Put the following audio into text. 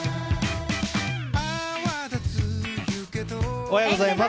おはようございます。